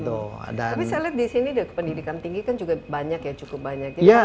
tapi saya lihat di sini pendidikan tinggi kan juga banyak ya cukup banyak